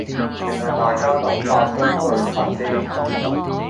定係大家諗法相對近啲